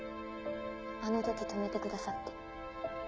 あの時止めてくださって。